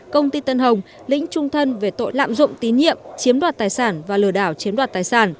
công ty tân hồng lĩnh trung thân về tội lạm dụng tín nhiệm chiếm đoạt tài sản và lừa đảo chiếm đoạt tài sản